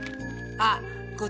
あっ！